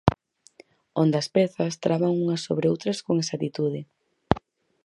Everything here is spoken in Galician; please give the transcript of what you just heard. Onde as pezas traban unhas sobre outras con exactitude.